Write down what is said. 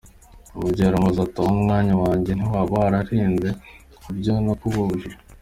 Umubyeyi aramubaza ati “ Aho mwana wanjye ntiwaba wararenze kubyo nakubujije?”.